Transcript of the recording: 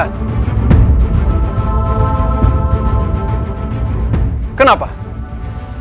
janganlah kau mengucapkan